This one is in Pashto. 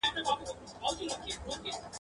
پرون تېر سو هغه پرېږده لکه مړی داسي تللی ..